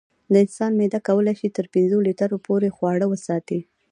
د انسان معده کولی شي تر پنځو لیټرو پورې خواړه وساتي.